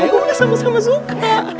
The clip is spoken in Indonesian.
gue udah sama sama suka